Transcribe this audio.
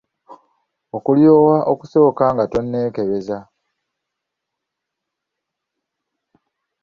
Okulyowa okusooka nga tonneekebeza.